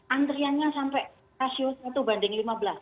antriannya sampai rasio satu banding lima belas